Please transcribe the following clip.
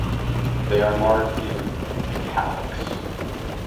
They are marked in "italics".